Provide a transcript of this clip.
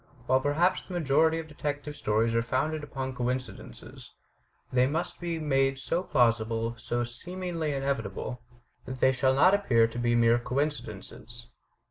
While perhaps the majority of detective stories are founded upon coincidences, they must be made so plausible, so seemingly inevitable, that they shall not appear to be mere coincidences.